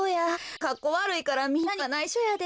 かっこわるいからみんなにはないしょやで。